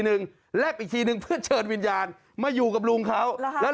แลกอีกทีนึงเพื่อเชิญวิญญาณมาอยู่กับลุงเขาแล้ว